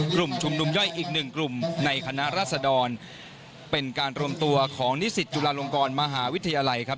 กลุ่มชุมนุมย่อยอีกหนึ่งกลุ่มในคณะราษดรเป็นการรวมตัวของนิสิตจุฬาลงกรมหาวิทยาลัยครับ